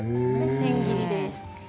千切りです。